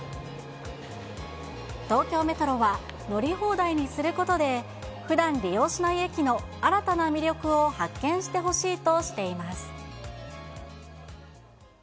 東京メトロは、乗り放題にすることで、ふだん利用しない駅の新たな魅力を発見してほしいとしています。